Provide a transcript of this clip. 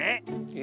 え。